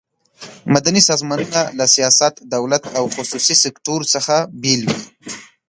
مدني سازمانونه له سیاست، دولت او خصوصي سکټور څخه بیل وي.